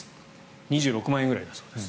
２６万円ぐらいだそうです。